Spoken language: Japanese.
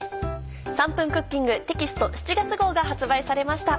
『３分クッキング』テキスト７月号が発売されました。